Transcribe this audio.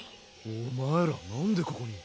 お前らなんでここに。